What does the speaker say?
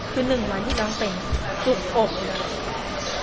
คือ๑วันที่น้องเต็มกลุ่มอบอยู่